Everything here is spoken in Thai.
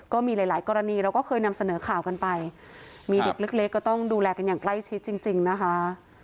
ก็มีหลายหลายกรณีเราก็เคยนำเสนอข่าวกันไปมีเด็กเล็กก็ต้องดูแลกันอย่างใกล้ชิดจริงจริงนะคะ